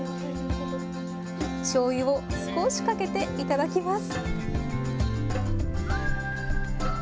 しょうゆを少しかけて頂きます。